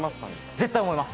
絶対思います！